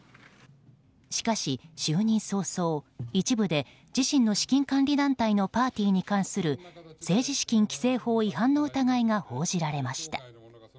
しかし就任早々、一部で自身の資金管理団体のパーティーに関する政治資金規正法違反の疑いが報じられました。